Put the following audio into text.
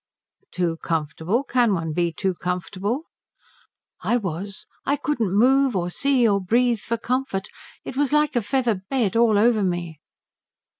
"Too comfortable? Can one be too comfortable?" "I was. I couldn't move or see or breathe for comfort. It was like a feather bed all over me."